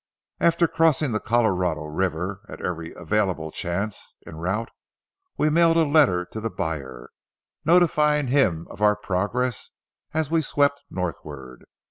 After crossing the Colorado River, at every available chance en route we mailed a letter to the buyer, notifying him of our progress as we swept northward.